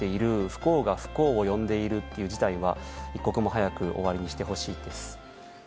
不幸が不幸を呼んでいるという事態は一刻も早く終わりにしてほしいです。